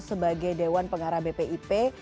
sebagai dewan pengarah bpip